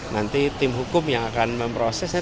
nanti tim hukum yang akan memprosesnya